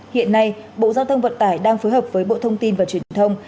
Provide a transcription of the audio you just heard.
hiện nay bộ giao thông vận tải đang phối hợp với bộ thông tin và truyền thông